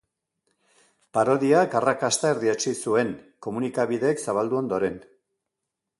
Parodiak arrakasta erdietsi zuen komunikabideek zabaldu ondoren.